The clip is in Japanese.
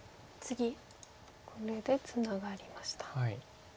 これでツナがりました。